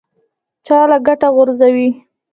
چا له کټه غورځوي.